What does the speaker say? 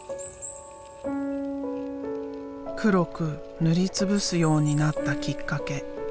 黒く塗りつぶすようになったきっかけ。